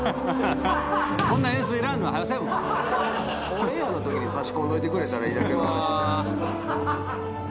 オンエアのときに差し込んでくれたらいいだけの話。